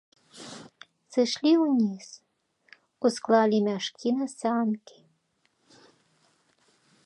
Сышлі ўніз, усклалі мяшкі на санкі.